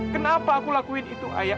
kenapa aku lakuin itu ayah